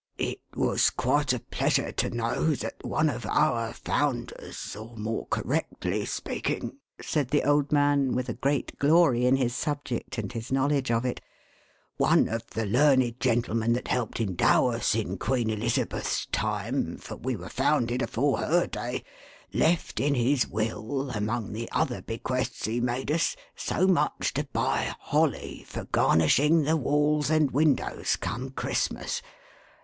" It was quite a pleasure to know that one of our founders — or more correctly speaking," said the old man, with a great glory in his subject and his knowledge of it, "one of the learned gentlemen that helped endow us in Queen Eliza beth's time, for we were founded afore her day — left in his will, among the other bequests he made us, so much to buy holly, for garnishing the walls and windows, come Christmas.